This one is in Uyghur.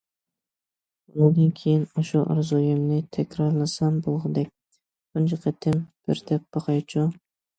بۇنىڭدىن كېيىن ئاشۇ ئارزۇيۇمنى تەكرارلىسام بولغۇدەك... تۇنجى قېتىم بىر دەپ باقايچۇ.